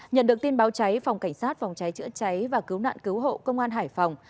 nhận được tin báo cháy phòng cảnh sát phòng cháy chữa cháy và cứu nạn cứu hộ công an hải phòng